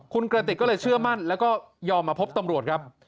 คุณกระติกก็เลยเชื่อมั่นแล้วก็ยอมมาพบตำรวจครับ